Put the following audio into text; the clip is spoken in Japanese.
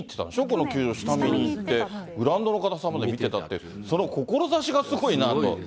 この球場を下見に行って、グラウンドの硬さも見てたって、その志がすごいなと。